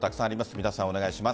三田さん、お願いします。